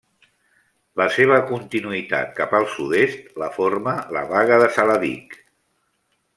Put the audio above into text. La seva continuïtat cap al sud-est la forma la Baga de Saladic.